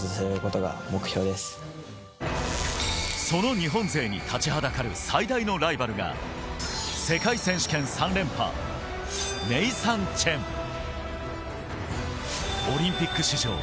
その日本勢に立ちはだかる最大のライバルが世界選手権３連覇、ネイサン・チェン。